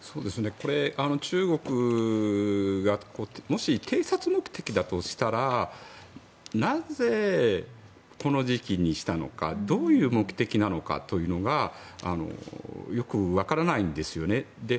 これ、中国がもし偵察目的だとしたらなぜこの時期にしたのかどういう目的なのかというのがよくわからないんですよね。